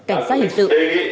cảnh sát hình sự